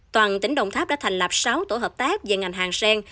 toàn tỉnh đồng tháp đã thành lập sáu tổ hợp tác về ngành hàng sen